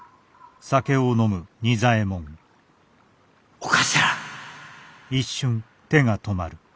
・お頭。